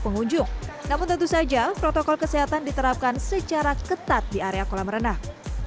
pengunjung namun tentu saja protokol kesehatan diterapkan secara ketat di area kolam renang